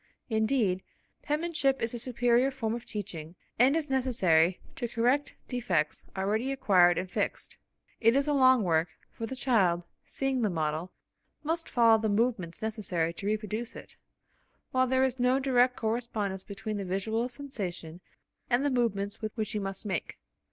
Indeed, penmanship is a superior form of teaching and is necessary to correct defects already acquired and fixed. It is a long work, for the child, seeing the model, must follow the movements necessary to reproduce it, while there is no direct correspondence between the visual sensation and the movements which he must make.